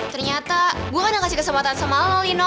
ternyata gue kan yang kasih kesempatan sama lo lino